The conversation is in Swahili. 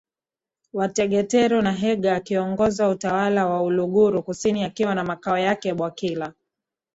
wa Tegetero na Hega akiongoza Utawala wa Uluguru kusini akiwa na makao yake Bwakila